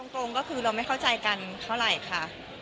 ตรงก็คือเราไม่เข้าใจกันเท่าไหร่ค่ะ